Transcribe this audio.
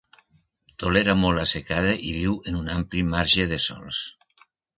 Tolera molt la secada i viu en un ampli marge de sòls.